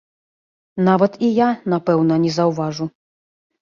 Нават і я, напэўна, не заўважу.